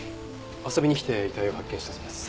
遊びに来て遺体を発見したそうです。